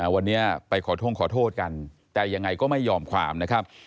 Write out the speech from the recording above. วันนี้ไปขอท่งขอโทษกันแต่ยังไงก็ไม่ยอมความนะครับ